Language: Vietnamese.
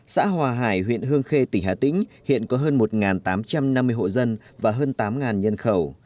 xã hòa hải huyện hương khê tỉnh hà tĩnh hiện có hơn một tám trăm năm mươi hộ dân và hơn tám nhân khẩu